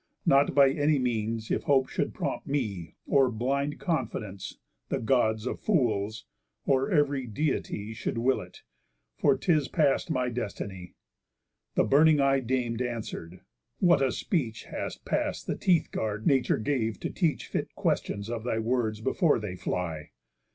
Not by any means, If Hope should prompt me, or blind Confidence, (The Gods of Fools) or ev'ry Deity Should will it; for 'tis past my destiny." The burning eyed Dame answer'd: "What a speech Hath past the teeth guard Nature gave to teach Fit question of thy words before they fly!